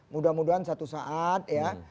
mudah mudahan satu saat ya